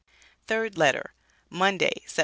THIRD LETTER. MONDAY, Sept.